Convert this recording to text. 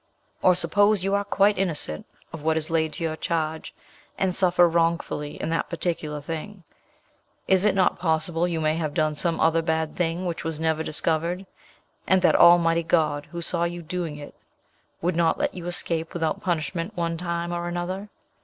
Or suppose you are quite innocent of what is laid to your charge, and suffer wrongfully in that particular thing, is it not possible you may have done some other bad thing which was never discovered, and that Almighty God who saw you doing it would not let you escape without punishment one time or another?